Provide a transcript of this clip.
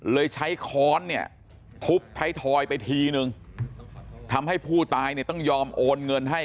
เลยใช้ค้อนเนี่ยทุบไทยทอยไปทีนึงทำให้ผู้ตายเนี่ยต้องยอมโอนเงินให้